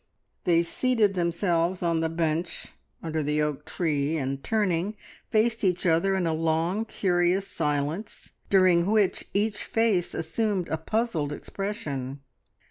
They seated themselves on the bench under the oak tree, and turning, faced each other in a long, curious silence, during which each face assumed a puzzled expression.